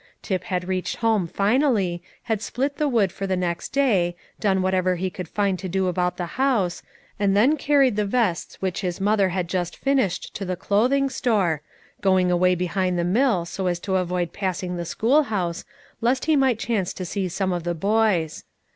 Tip had reached home finally, had split the wood for the next day, done whatever he could find to do about the house, and then carried the vests which his mother had just finished to the clothing store, going away around behind the mill so as to avoid passing the schoolhouse, lest he might chance to see some of the boys.